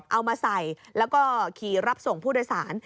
เอามาใส่แล้วก็ขี่รับส่งผู้โดยสาร